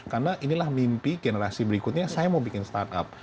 karena inilah mimpi generasi berikutnya saya mau bikin startup